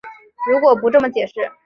如果不这么解释